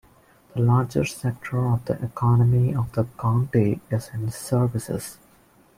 The largest sector of the economy of the county is in services.